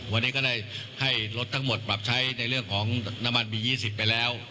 วันนี้ก็ได้ให้รถทั้งหมดปรับใช้ในเรื่องของน้ำมันบี๒๐ไปแล้ว